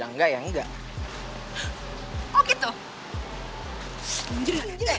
kalo lu pikir segampang itu buat ngindarin gue lu salah din